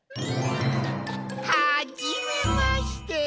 はじめまして。